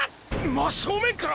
真正面から！？